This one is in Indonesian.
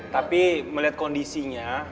tapi melihat kondisinya